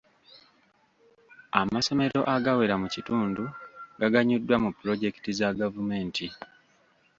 Amasomero agawera mu kitundu gaganyuddwa mu pulojekiti za gavumenti.